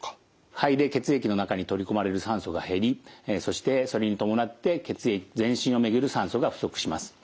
肺で血液の中に取り込まれる酸素が減りそしてそれに伴って全身を巡る酸素が不足します。